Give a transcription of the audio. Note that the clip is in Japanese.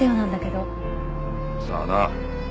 さあな。